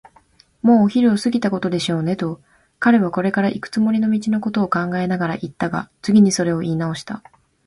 「もうお昼を過ぎたことでしょうね」と、彼はこれからいくつもりの道のことを考えながらいったが、次にそれをいいなおした。